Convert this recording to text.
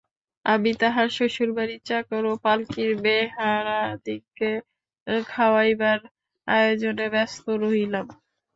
আমি তাহার শ্বশুরবাড়ির চাকর ও পালকির বেহারাদিগকে খাওয়াইবার আয়োজনে ব্যস্ত রহিলাম।